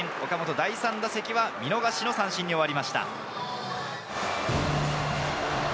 第３打席は見逃し三振に終わりました。